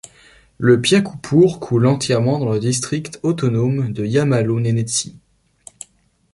Le Piakoupour coule entièrement dans le district autonome de Iamalo-Nénétsie.